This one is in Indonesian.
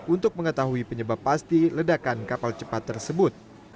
untuk mengetahui penyebab pasti ledakan kapal cepat tersebut